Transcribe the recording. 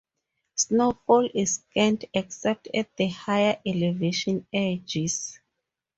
Snowfall is scant except at the higher elevation edges.